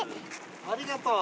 ありがとう。